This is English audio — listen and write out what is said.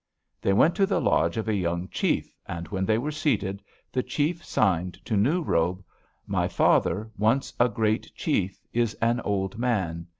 "They went to the lodge of a young chief, and when they were seated, the chief signed to New Robe: 'My father, once a great chief, is an old man.